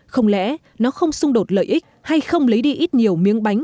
không lẽ nó không xung đột lợi ích hay không lấy đi ít nhiều miếng bánh